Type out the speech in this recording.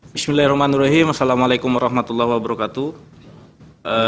bismillahirrahmanirrahim assalamualaikum warahmatullahi wabarakatuh